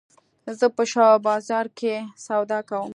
زه په شاه بازار کښي سودا کوم.